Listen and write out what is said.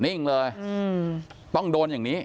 นิ่งเลยต้องโดนอย่างนี้